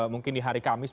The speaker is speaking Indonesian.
mungkin di hari kamis